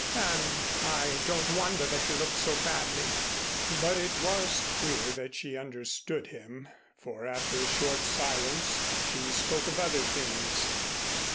"Then I don't wonder that you looked so badly." But it was clear that she understood him, for after a short silence she spoke of other things.